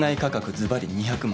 ズバリ２００万。